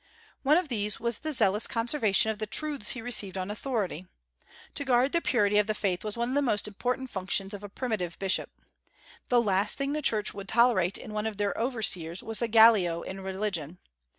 One of these was the zealous conservation of the truths he received on authority. To guard the purity of the faith was one of the most important functions of a primitive bishop. The last thing the Church would tolerate in one of her overseers was a Gallio in religion.